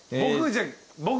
僕。